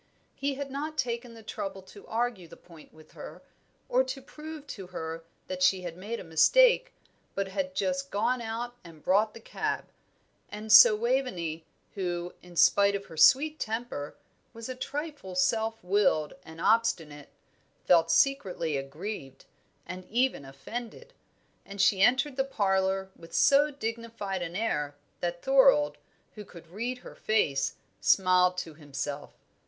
He had not taken the trouble to argue the point with her, or to prove to her that she had made a mistake, but had just gone out and brought the cab; and so Waveney, who, in spite of her sweet temper, was a trifle self willed and obstinate, felt secretly aggrieved, and even offended. And she entered the parlour with so dignified an air that Thorold, who could read her face, smiled to himself.